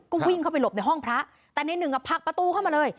ก็วิ่งเข้าไปหลบในห้องพระแต่ในหนึ่งอ่ะผลักประตูเข้ามาเลย